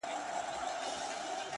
دا کتاب ختم سو نور” یو بل کتاب راکه”